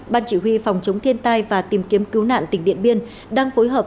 ban chỉ huy phòng chống thiên tai và tìm kiếm cứu nạn tỉnh điện biên đang phối hợp